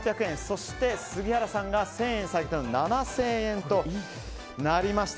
そして、杉原さんが１０００円下げて７０００円となりました。